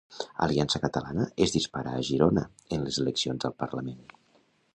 Aliança Catalana es dispara a Girona en les eleccions al Parlament.